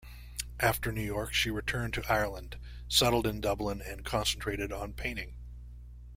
After New York, she returned to Ireland, settled in Dublin and concentrated on painting.